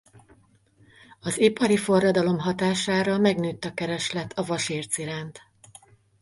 Az ipari forradalom hatására megnőtt a kereslet a vasérc iránt.